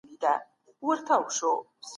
د عصبیت خاوند قوم به دغه نظام له منځه یوسي.